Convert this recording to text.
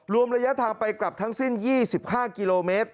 รวมระยะทางไปกลับทั้งสิ้น๒๕กิโลเมตร